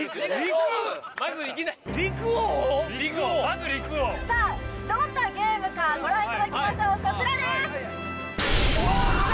まずいきなりまず陸王さあどんなゲームかご覧いただきましょうこちらですわあ！